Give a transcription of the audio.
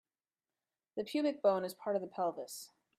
The pubic bone is part of the pelvis.